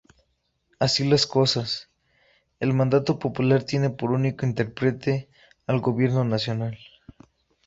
Así las cosas, el mandato popular tiene por único interprete al Gobierno nacional.